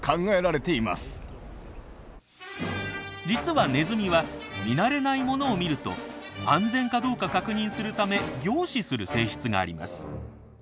実はネズミは見慣れないものを見ると安全かどうか確認するため凝視する性質があります。